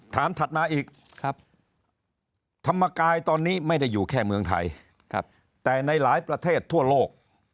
ถัดมาอีกธรรมกายตอนนี้ไม่ได้อยู่แค่เมืองไทยแต่ในหลายประเทศทั่วโลก